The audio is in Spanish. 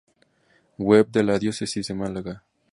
Web de la diócesis de Málaga